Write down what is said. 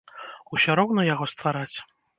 Усё роўна яго ствараць?